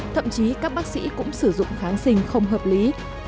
thậm chí các bác sĩ cũng sử dụng kháng sinh không hợp lý